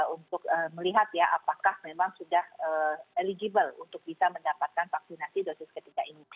untuk melihat ya apakah memang sudah eligible untuk bisa mendapatkan vaksinasi dosis ketiga ini